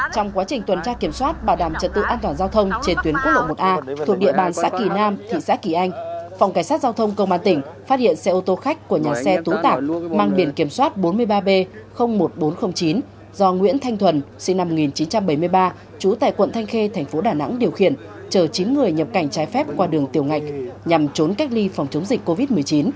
trong quá trình tuần tra kiểm soát bảo đảm trận tự an toàn giao thông trên tuyến quốc lộ một a thuộc địa bàn xã kỳ nam thị xã kỳ anh phòng cảnh sát giao thông công an tĩnh phát hiện xe ô tô khách của nhà xe tú tạc mang biển kiểm soát bốn mươi ba b một nghìn bốn trăm linh chín do nguyễn thanh thuần sinh năm một nghìn chín trăm bảy mươi ba trú tại quận thanh khê thành phố đà nẵng điều khiển chờ chín người nhập cảnh trái phép qua đường tiểu ngạch nhằm trốn cách ly phòng chống dịch covid một mươi chín